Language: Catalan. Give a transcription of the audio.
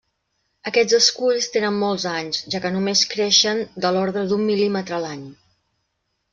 Aquests esculls tenen molts anys, ja que només creixen de l'ordre d'un mil·límetre l'any.